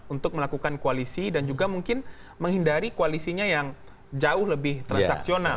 untuk melakukan koalisi dan juga mungkin menghindari koalisinya yang jauh lebih transaksional